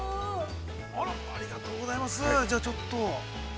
◆ありがとうございます、ちょっと。